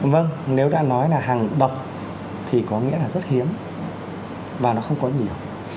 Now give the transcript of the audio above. vâng nếu đã nói là hàng bậc thì có nghĩa là rất hiếm và nó không có nhiều